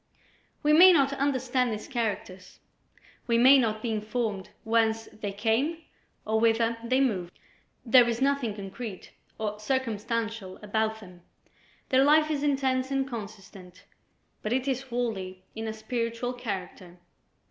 We may not understand his characters, we may not be informed whence they came or whither they move; there is nothing concrete or circumstantial about them; their life is intense and consistent, but it is wholly in a spiritual character.